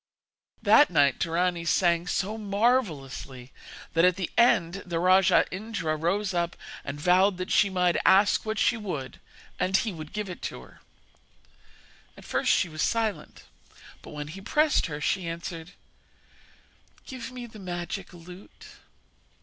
That night Dorani sang so marvellously that at the end the rajah Indra rose up and vowed that she might ask what she would and he would give it to her. At first she was silent; but, when he pressed her, she answered: 'Give me the magic lute.'